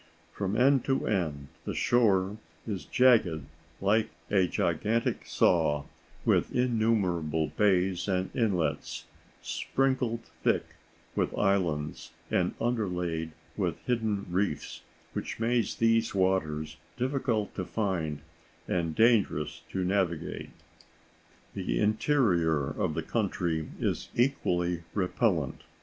From end to end the shore is jagged like a gigantic saw with innumerable bays and inlets, sprinkled thick with islands and underlaid with hidden reefs, which makes these waters difficult to find and dangerous to navigate. The interior of the country is equally repellent.